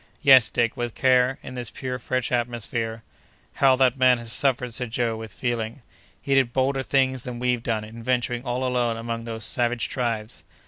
"Yes, Dick, with care, in this pure, fresh atmosphere." "How that man has suffered!" said Joe, with feeling. "He did bolder things than we've done, in venturing all alone among those savage tribes!"